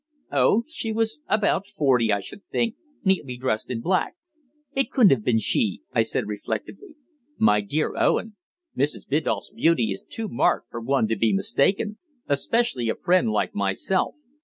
"Oh, she was about forty, I should think neatly dressed in black." "It couldn't have been she," I said reflectively. "My dear Owen, Mrs. Biddulph's beauty is too marked for one to be mistaken especially a friend, like myself."